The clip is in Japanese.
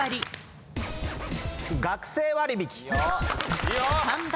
学生割引。